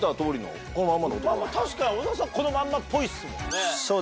確かに小澤さんこのまんまっぽいっすもんね。